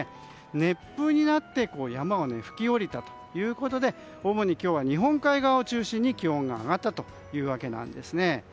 熱風になって山を吹き下りたということで主に今日は日本海側を中心に気温が上がったわけなんです。